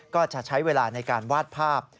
ก็จะใช้เวลาในการวาดภาพ